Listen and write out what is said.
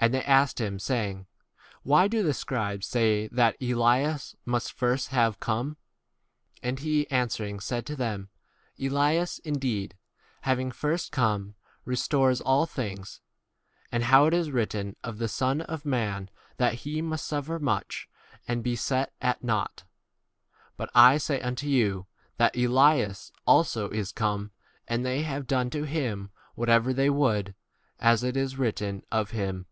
And they asked him saying, Why do 1 the scribes say that Elias must first have come ? 12 And he answering said to them, Elias indeed, having first come, restores all things ; and how it is written of the Son of man that he must suffer much, and be set at 18 nought : but I say unto you, that Elias also is come, and they have done to him whatever they would, as it is written of him.